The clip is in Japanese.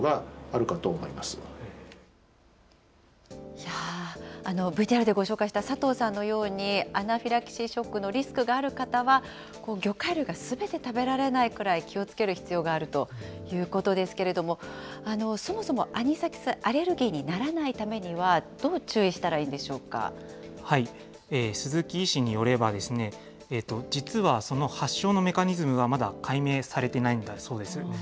いやー、ＶＴＲでご紹介した佐藤さんのように、アナフィラキシーショックのリスクがある方は、魚介類がすべて食べられないくらい気をつける必要があるということですけれども、そもそもアニサキスアレルギーにならないためには、どう注意した鈴木医師によればですね、実はその発症のメカニズムはまだ解明されてないんだそうです。